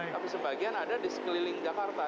tapi sebagian ada di sekeliling jakarta